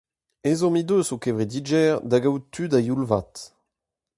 Ezhomm he deus ho kevredigezh da gavout tud a-youl-vat.